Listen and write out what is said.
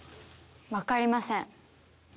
わかりません。